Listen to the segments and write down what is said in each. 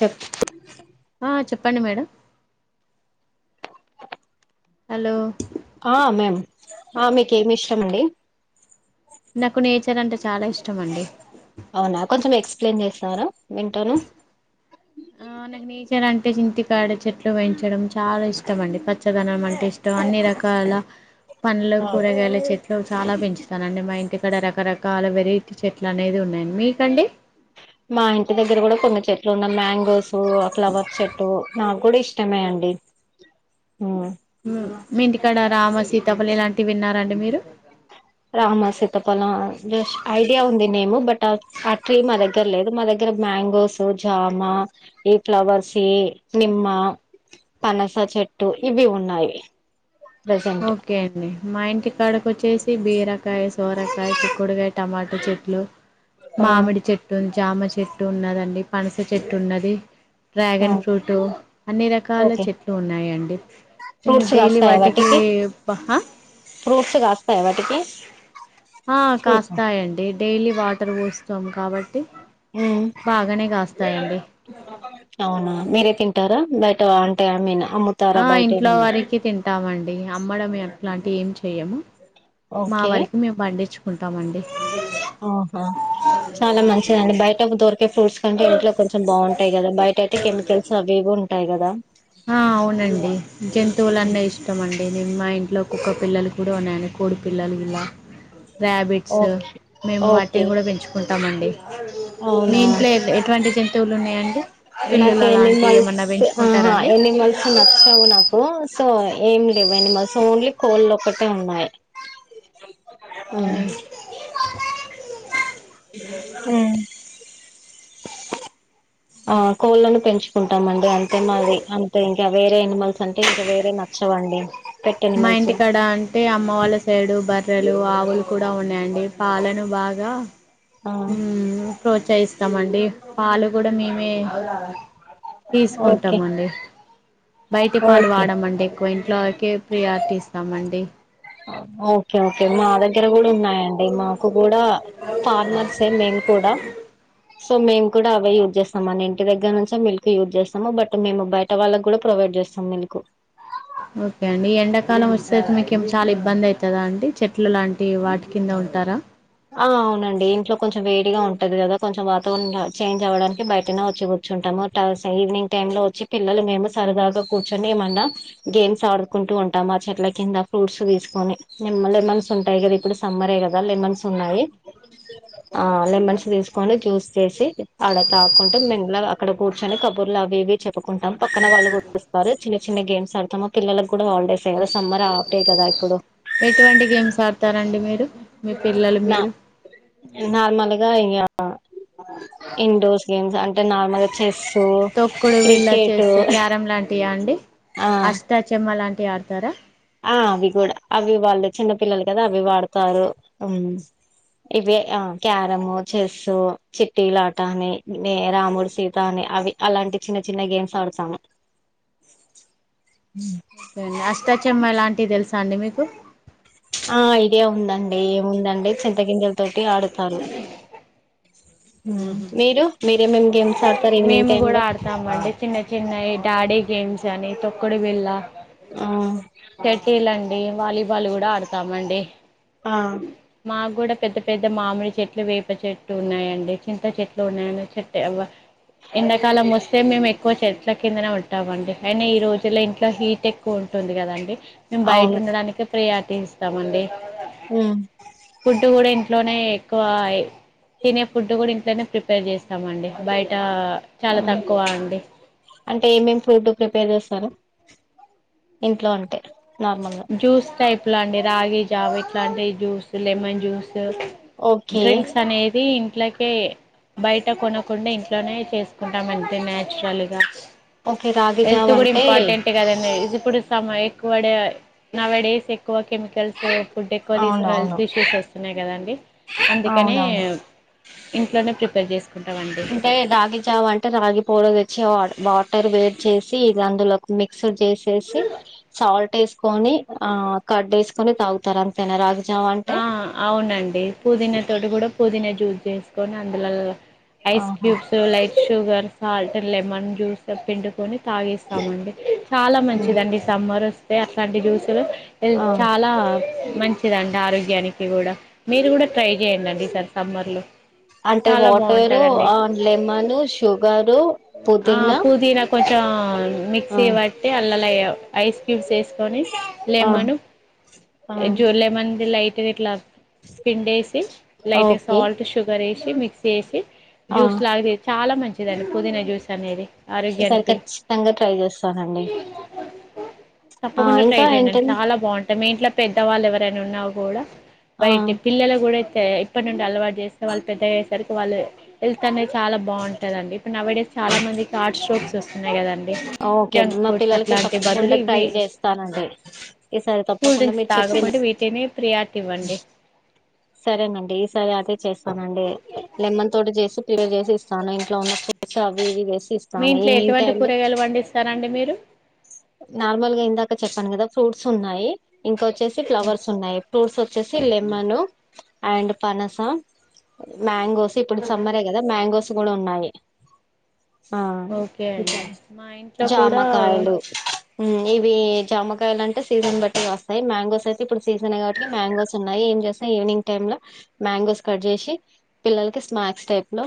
చెప్పు ఆ చెప్పండి మేడం హలో ఆ మేమ్ ఆ మీకేమి ఇష్టం అండి నాకు నేచర్ అంటే చాలా ఇష్టం అండి అవునా కొంచెం ఎక్స్ప్లెయిన్ చేస్తారా వింటాను ఆ నాకు నచర్ అంట ట్టే ఇంటి కాడ చెట్లు పెంచడం చాలా ఇష్టం అండి పచ్చదనం అంటే ఇష్టం అన్ని రకాల పండ్ల కూరగాయల చె ట్ చాలా పెంచుతానండి మా ఇంటి ఇక్కడ రకరకాల వెరైటీ చెట్లు అనేది ఉన్నాయండి మీకండి మా ఇంటి దగ్గర కూడా కొన్ని చెట్ ఇట్న్న మ్యాంగోస్ ఫ్లవర్ చెట్టు కూడా ఇష్టమే అండి హు మీ ఇంటికాడ రామ సీతాపలి ఇలాంటివి విన్నారండి మీరు రామ శీతఫొలం జస్ ఐడియా ఉంది నేము బట్ ఆ ట్రీ మా దగ్గర లేదు మా దగ్గర మ్యాంగోస్ జామా ఈ ఫ్లవర్స్ ఏ నిమ్మ పనసా చెట్టు ఇవి ఉన్నాయి ప్రజెంట్ ఓకే అండి మా ఇంటి కడకొచ్చేసి బేరక క్కయ సోరకాయ చిక్కుడుకాయ టమాటా చెట్లు ఆ మామిడి చెట్టు జామ చెట్టు ఉన్నదండి పనస చెట్టు ఉన్నది డ్రాగన్ అవునా, ఫ్రూట్ అన్ని రకాల ఓకే చెట్లు ఉన్నాయండి నేను ఫ్రూట్స్ డైలీ కాస్తాయా వాటి ఏ వాటికి ప ఫ్రూట్స్ కాస్తాయా వాటికి ఆ ఫ్రూట్స్ కాస్తాయండి డైలీ వాటర్ పోస్తాం కాబట్టి ట్టి ఉమ్ బాగానే కాస్తాయండి అవునా మీరే తింటారా బయట అంటే అమ్మిన ఆ ఇంట్లో వారికి తింటామండి అమ్మడం ఇలాంటివి ఏమి చెయ్యము మా ఓకే వరకి మేము పండించుకుంటామండి. అ హా చాలా మంచిదండి బయట దొర్ ఫ్రూట్స్ కంటే ఇట్లో కొంచెం బాగుం కదా బయట అయితే కెమికల్స్ అవి ఉంటాయి కదా ఆ అవునండి జంతువులన్న ఇష్టం అండి నిమ్ మా ఇంట్లో కుక్క పిల్లలు కూడా టు ఉన్న కోడి పిల్లలు ఇలా రర్యాబిట్స్ ఓకే మేము ఓకే వాటిని కూడా పెంచుకుంటాము అండి మీ అవునా ఇంట్లో ఎటువంటి జంతువులు ఉన్నాయండి పిల్లులు అలాంటియి ఏమన్నా పెంచుకుంటార అండి మల్స్ నచ్చావు నాకు సో సో ఏం లేవు ఎనిమల్స్ ఓన్లీ కోళ్ళు ఒకటే ఉన్నాయి అ హు ఆ కోళ్ళలను పెంచుకుంటామండి అంతే మాది అంతే ఇంకా వేరే ఏనిమల్స్ అంటే ఇంకా వేరే నచ్చవండి పెట్ మా ఎనిమల్స్ ఇంటికాడ అన్ టే అమ్మ వాళ్ళ సైడు బర్రెలు ఆవులు కూడా ఉన్నాయండి పాలను బాగా ఆ ఉమ్ ప్రోత్సహిస్తామండి పాలు కూడా మేమే ఓకే తీసుకుంటామండి బయటి పాలు ఓకే వాడమండి క్వే ఇంట్లోకే ప్రియార్టీ ఇస్తామండి ఓకే [unintelligible] టే మా దగ్గర కూడా ఉన్నాయండి మాకు కూడా ఫార్మర్సే మేము కూడా సో మేము కూడా అవే యూజ్ చేస్తాం మన ఇంటి దగ్గర నుంచే మిల్క్ యూజ్ చేస్తాము బట్ మేము బయట వాళ్ళకి కూడా ప్రొవైడ్ చేస్తాం మిల్క్ ఓకే అండి ఎండాకాలం వస్ తోటి మీకేం చాలా ఇబ్బందై కదా అండి చెట్లు లాంటి వాటి కింద ఉంటారా ఔ అవునండి ఇంట్లో కొంచెం వేడిగా ఉంటది కదా కొంచెం వాతావరణం చేంజ్ అవ్వడానికి బయటనే వచ్చి కూర్చుంటాము టస్ ఈవినింగ్ టైమ్ లో వచ్చి పిల్లలు మేము సరదాగా కూర్చొని ఏమన్నా గేమ్స్ ఆడుకుంటూ ఉంటాము ఆ చెట్ల కింద ఫ్రూట్స్ తీసుకొని లెమన్స్ ఉంటాయి కదా ఇప్పుడు సమ్మరే కదా లెమన్స్ ఉన్నాయి ఆ లెమన్స్ తీసుకొని జ్యూస్ చేసి అడ తాగ్ కుంటా మెల్లగా అక్కడ కూర్చొని కబుర్లు అవి ఇవి చెప్పుకుంటాం పక్కన వాళ్ళు కూడా వస్తారు చిన్న చిన్న గేమ్స్ ఆడతాము పిల్లలకు కూడా హాలిడేస్ కద సమ్మర్ ఆఫ్ డే కదా ఇప్పుడు ఎటువంటి గేమ్స్ ఆడతారండి మీరు మీరు పిల్లలు మీరు నార్మలుగా ఇయ ఇండోర్స్ గేమ్స్ అంటే నార్మల్గా చెస్సు తొక్కుడు బిళ్ళ క్రికెట్ చెస్ క్యారం లాంటియా ఆ టే ఆడతారా ఆ అవి కూడా అవి వాళ్ళు చిన్న పిల్లలు కదా అవి వాడతారు ఉమ్ ఇవే ఆ క్యారము చెస్సు చిట్టి లాట అని రాముడు సీత అని అవి అలాంటి చిన్న చిన్న గేమ్స్ ఆడతాము ఓకే అండి అష్టాచమ్మ లాన్ తెలుసా అండి మీకు ఆ ఐడియా ఉందండి ఏముందండి చింత గింజల తోటి ఆడుతారు ఉమ్ మీరు మీరేమేమి గేమ్ మేము కూడా ఆడతామండి చిన్న చిన్నవి డాడీ గేమ్స్ అని తొక్కుడు బిళ్ళ ఆ పెట్టిల్లండి వాలీబాల్ కూడా ఆడతామండి ఆ మాకు కూడా పెద్ద పెద్ద మామిడి చెట్లు వేప చెట్టు ఉన్నాయండి చింత చెట్లు ఉన్నాయన్న చెట్టే అవ్వ ఎండకాలం వస్తే మేము ఎ క్కువ చెట్ల కిందనే ఉంటామండి అయినా ఈ రోజుల్లో ఇంట్లో హీట్ ఎక్కువ ఉంటుంది కదండి మేము అవును బయట ఉండడానికే ప్రయారిటీ ఇస్తామండి ఉమ్ ఫుడ్డు కూడ ఇన్ ట్లోనే ఎక్కువ తినే ఫుడ్ కూడా ఇంట్లోనే ప్రిపేర్ చేస్ అవును అండి బయట చాలా ఉమ్ తక్కువ అండి సరే ఇంట్లో అంటే నార్మల్గా జూస్ టైప్ లా అండి రాగి జావ ఇట్లాంటి juice lemon juice okay drinks అనేది ఇంట్లో కే బయట కొనకుండా ఇంట్లోనే చేసుకుంటాం అంటే నేచురల్ గా ఓకే రాగి హెల్త్ జావ కూడా అంటే ఇంపార్టెంట్ కదండి ఇది కూడా సామాయిక వాడ నావెడే సేక్ క్కువ కెమికల్స్ ఫుడ్ ఎక్కువ తీసుకున్న అవునవును హెల్త్ ఇష్యూస్ వస్తున్నాయి కదండి అందుకనే అవునవును ఇంట్లోనే ప్రిపేర్ చేస్త ఇంటే రాగి జావా అంటే రాగి పోడి తెచ్చు వచ్చేవాడు వాటర్ వేడి చేసి ఇది అందులో మిక్స్ చేసి చేసి సాల్ట్ కేసుకొని ఆ కడ్ వేసుకొని తాగుతారు అంతేనా రాగి జావ అంటే ఆ అవునండి పుదీనా తోటి కూడా పుదీనా జ్యూస్ చేసుకొని అందులో ఐస్ ఆహా cubes light sugar salt lemon juice పిండుకని తాగేస్తామండి చాలా ఆ మంచిదండి సమ్మర్ కేయన్ష్ వంటి జ్యూసులు ఆ చాలా మంచిదండి ఆరోగ్యానికి కూడా మీరు కూడా ట్రై చేయండి అండి ఈ సారి సమ్మర్ లో అంటే వాటరు లెమన్ షుగరు ఆ పుదీనా కొంచెం ఆ మిక్సీ బట్టి అల్లలయే ఆఐస్ క్యూబ్స్ తీసుకని ఆ లేమ్మను ఆ జో లేమన్ అది లైట్ ఇట్లా పిండి వేసి లైట్ ఓకే సాల్ట్ షుగర్ ఏసి మిక్స్ వేసి ఆ జ్యూస్ లాగా ది చాలా మంచిదండి పుదీనా జ్యూస్ అనేది ఈసారి ఆరోగ్యానికి ఖచ్చితంగా ట్రై చేస్తానండి ఆ తప్పకుండా ట్రై ఇంకా చేయండి అండి ఏంటండి చాలా బాగుంటాయి మీ ఇంట్లో పెద్దవాళ్ళు ఎవరైనా ఉన్నా గూడ ఆ బయట పిల్లల గూడ [unintelligible] ఇప్పటి నుండి అలవాటు చేస్తే వాళ్ళు పెద్దయ్యేసరికి వాళ్ళు హెల్త్ అనేది చాలా బావుంటదండి ఇప్పుడు నవిడే చాలా మందికి హార్ట్ స్ట్రోక్స్ వస్తు ఓకే మా పిల్లలకి అట్లాంటి బదులు తప్పకుండా ట్రై ఇవి చేస్తానండి ఈసారి తప్పకుండా మీ తాగకుండి వీటినే ప్రియాకి ఇవ్వండి సరేనండి ఈసారి అదే చేస్త అవు నండి లెమన్ తోటి చేసి ప్రిపేర్ చేసి ఇస్తాను ఇంట్లో ఉన్న ఫ్రూట్స్ అవి ఇవి వేసి మీ ఇస్తాను ఇంట్లో ఈవినింగ్ ఎటువంటి టైమ్ లో కూరగాయలు పండిస్తారండి మీరు నార్మల్ గా ఇందాక చెప్పాను కదా ఫ్రూట్స్ ఉన్నాయి ఇంకొచ్చేసి ఫ్లవర్స్ ఉన్నాయి ఫ్రూట్స్ వచ్చేసి లెమన్ అండ్ పనస మ్యాంగోస్ ఇప్పుడు సమ్మరే కదా మ్యాంగోస్ గూడా ఉన్నాయి ఆ ఓకే అండి ఇంకా మా ఇంట్లో కూడా ఇవీ జామకాయలు అంటే సీజన్ బట్టి వస్తాయి మ్యాంగోస్ అయితే ఇప్పుడు సీజన్ కాబట్టి మ్యాంగోస్ ఉన్నాయి ఏం చేసినా ఆ... ఈవినింగ్ టైమ్ లో మ్యాంగోస్ కట్ చేసి పిల్లలకి స్నాక్స్ టైప్ లో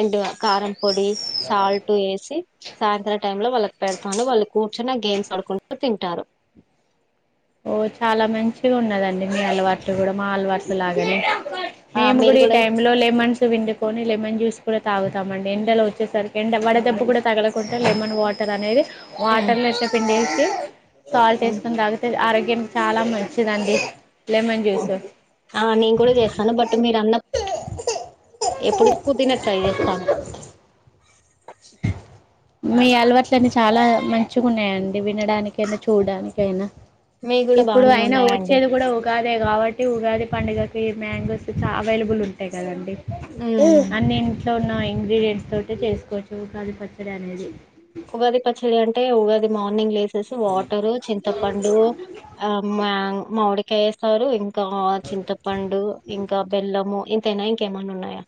ఎంటొ కారంపొడి సాల్ట్ వేసి సాయంత్రా టైంలో వాళ్ళకి పెడతాను వాళ్ళు కూర్చుని గేమ్స్ ఆడుకుంటు తింటారు ఓ చాలా మంచిగ ఉన్నదండి మి అలవాట్లు కూడా మా అలవాట్లు లాగానె ఆ మీరు కూడా పోని లెమన్ జ్యూస్ కూడా తాగుతామండి ఎండలో వచ్చేసరికి ఎండ వడ దెబ్బ కూడా తగలకుంట లెమన్ వాటర్ అనేది ఉమ్ వాటర్ లో ఇట్ట పిండేసి సాల్ట్ ఉమ్ ఏసుకొని తాగి ఆరోగ్యం కి చాలా మంచిదండి లెమన్ జ్యూస్ ఆ నేను కూడా చేస్తాను బట్ మీరు అన్న ఎప్పుడు పూర్తిన ట్రై చేస్తాను మీ అలవాట్లన్నీ చాలా మంచిగా ఉన్నాయండి వినడానికైనా చూడడానికైనా మీ కూడా ఇప్పుడు బాగానే అయినా ఉన్నాయండి వచ్చేది కూడా ఉగాదే కాబట్టి ఈ ఉగాది పండుగకి మ్యాంగోస్ చా అవైలబుల్ ఉంటాయి కదండి ఉమ్ అన్నీ ఇంట్లో ఉన్నా ఇం ఇంగ్రీడియంట్స్ తోటి చేసుకోచ్చు ఉగాది పచ్చ ఇనేది [unintelligible] టే ఉగాది మార్నింగ్ లేసి సి వాటరు చింతపండు ఆ మ్యాంగ్ మామిడికయేస్తారు ఇం కా చింతపండు ఇంకా బెల్లము తేన ఇంకెమనున్నాయ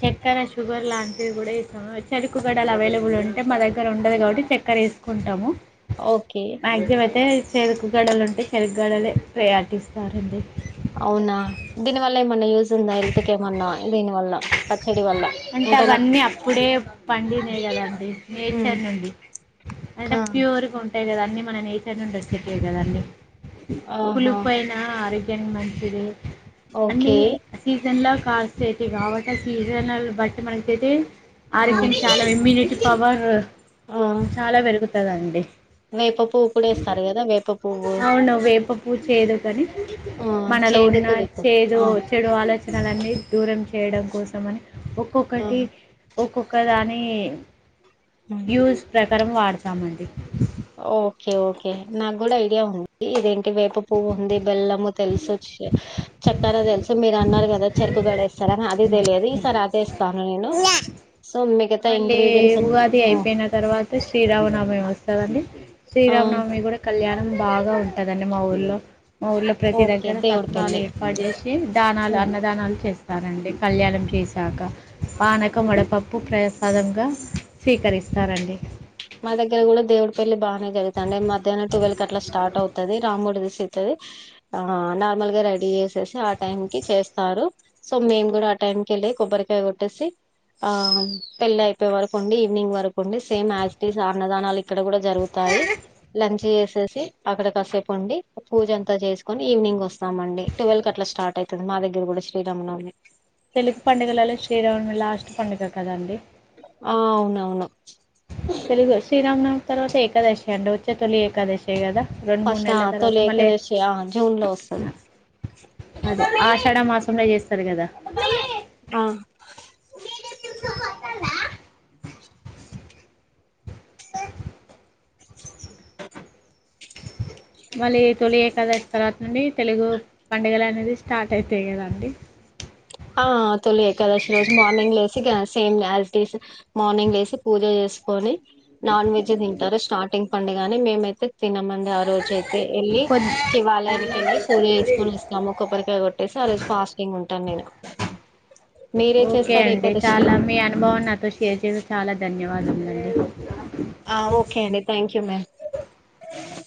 చక్కెర షుగర్ లాంటివి కూడా ఇస్తాము చెరుకుగడలు అవైలబుల్ ఉంటే మా దగ్గర ఉండదు కాబట్టి చక్కెర వేసుకుంటాము ఓకే మాక్సిమతే చేేదుకు గడలు ఉంటే చెరుకుగడలే ప్రయార్టీస్తారండి అవునా దీని వల్ల ఏమన్నా యూస్ ఉందా హెల్త్ కెమన్నా దీని వల్ల పచ్చడి వల్ల అంటే నాకు అవన్నీ అప్పుడే పండినేయి కదా అండి ఉమ్, నేచర్ నుండి అంటే ఆ ప్యూర్గా ఉంటాయి కదా అన్ని మన నేచర్ నుండి వచ్చేటియి కదండి పులి ఆహా పైన అరగ్ కన్ మంచిదె అన్ని ఓకే సీజన్ లో కాస్ చేతి గాబట్టే సీజనల్ వట్టి మనచేతి ఆ ఆరోగ్యం ఓకే చాలా ఇమ్యూనిటీ పవర్ ఆ చాలా పెరుగుతదండి వేప పువ్వు కూడా వేస్తారు కదా వేప పువ్వు అవును వేపు పూ చేేయుడు కానీ ఆ మనలో ఉన్న చేదుకు వేప చేదు ఆ చెడు ఆలోచనలన్నీ దూరం చేయడం కోసమని ఆ కొకటి ఒక్కొక్క దాని యూస్ ప్ర తరం వాడతామండి ఓ ఓకే ఓకే నాకు కూడా ఐడియా ఉంది ఇదేంటి వేప పువ్వు ఉంది బెల్లము తెలుసోచ్చే చక్కరా తెలుసు మీరు అన్నారు కదా చెరుకు గడే సరేన అదె తెలియది ఈ సార్ అదే తను నేను మళ్ళీ ఇంగ్రీడియంట్స్ ఉగాది అయిపోయిన తర్వాత శ్రీరామనవమి వస్తదా అండి శ్రీరామ్నవమి కూడా కళ్యా మనం బాగా ఉంటదండి మా ఊర్లో మా ఊర్లో ప్రతి ఓకే దగ్గర దేవుడి సత్రాలు పెళ్లి ఏర్పాటు చేసి దానాలు అన్నదానాలు చేస్ తనండి కళ్యాణం చేశాక పానకం వడపప్పు ప్రైస్ సదంగా స్వీకరిస్తారండి మా దగ్గర కూడా దేవుడి పెళ్లి బానే జరుగుతుండి మధ్యాహ్నం ట్వెల్ క అట్లా స్టార్ట్ అవుతది రాముడి ది సీతాది ఆ నార్మల్గా రెడీ చేసి ఆ టైం కి చేస్తారు సో మేం కూడా ఆ టైం కి ఏళ్ళి కొబ్బరికాయ కొట్టేసి ఆ పెళ్ళి అయిపోయే వరకు ఉండి ఈవినింగ్ వరకుండి సేమ్ యాజ్ అన్నదానాలు ఇక్కడ కూడా జరుగుతాయి లంచ్ చేసేసి అక్కడ కసేపు ఉండి పూజ అంతా చేసుకొని ఈవినింగ్ వస్తామండి ట్వెల్వ్ అట్లా స్టార్ట్ అవుతుంది మా దగ్గర కూడా శ్రీరామనవని తెలుగు పండుగలలో శ్రీరాని లాస్ట్ పండుగ కదండి ఆ అవునవును తెలుగు శ్రీరామ్ నవమి తరవాతే ఏకాదశి అండి ఓచ్చే తొలి ఏకాదశీ ఏ కదా రెండు మూడు ఫస్ట్ ఆ నెలల తొలి తర్వాత మళ్ళీ ఏకాదశి ఆ జూన్ లో వస్తది అదే ఆషాఢ మాసంలో చేస్తా ఓస్తర్ కదా మమ్మీ ఆ మళ్ళీ తొలి ఏకదశి తర్వాత నుండి తెలుగు పండుగలు అనేది స్టార్ట్ అయితయి కదండి ఆ తొలి ఏకాదశి రోజు మార్నింగ్ లేసి గా same as it is morning లెసి పూజ చేసుకొని నాన్ వెజ్ తింటారు స్టార్టింగ్ పండగని మిమైతే తినం ఆ రోజ అయితే వెళ్ళి కొద్ శివాలయానికి వెళ్ళి పూజ చేసుకొని వస్తాము కొబ్బరికాయ కొట్టేసి ఆ రోజు ఫాస్టింగ్ ఉంటాను నేను మీరే ఓకే చేస్తారు అండి ఏకాదశి చాలా మీ అనుభవం నాతో షేర్ చేసి చాలా ధన్యవాదండి ఆ అ